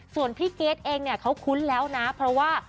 ส่วนพี่เกดเองเนี่ยเขาคุ้นแล้วนะเพราะว่า